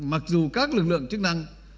mặc dù các lực lượng chức năng